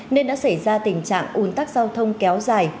nên đã xảy ra tình trạng ủn tắc giao thông kéo dài